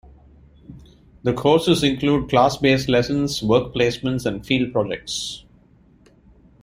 The courses include class-based lessons, work placements and field-projects.